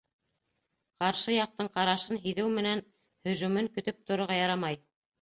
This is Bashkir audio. Ҡаршы яҡтың ҡарашын һиҙеү менән һөжүмен көтөп торорға ярамай.